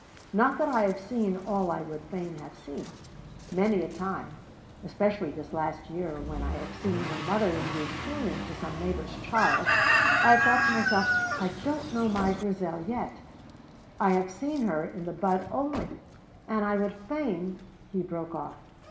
Not that I have seen all I would fain have seen. Many a time, especially this last year, when I have seen the mother in you crooning to some neighbour's child, I have thought to myself, 'I don't know my Grizel yet; I have seen her in the bud only,' and I would fain " He broke off.